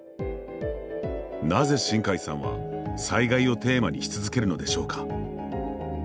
なぜ新海さんは災害をテーマにし続けるのでしょうか。